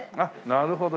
なるほど。